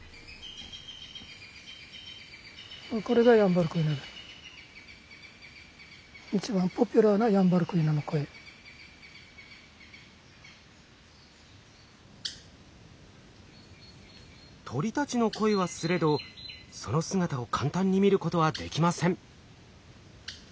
これが鳥たちの声はすれどその姿を簡単に見ることはできません。